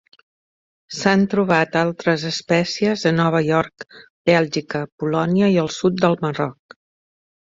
S'han trobat altres espècies a Nova York, Bèlgica, Polònia i el sud del Marroc.